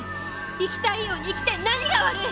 生きたいように生きて何が悪い！